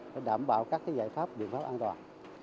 để đảm bảo các giải pháp biện pháp an toàn